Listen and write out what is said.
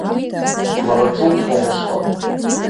Лара ҿылҭуам усҟан.